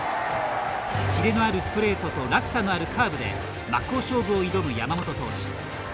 キレのあるストレートと落差のあるカーブで真っ向勝負を挑む山本投手。